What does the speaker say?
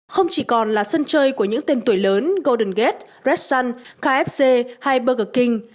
không chỉ còn là sân chơi của những tên tuổi lớn golden gate red sun kfc hay burger king